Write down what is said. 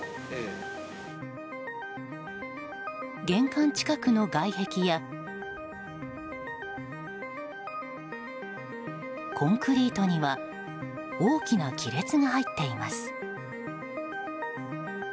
玄関近くの外壁やコンクリートには大きな亀裂が入っています。